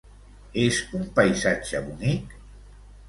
És un paisatge bonic?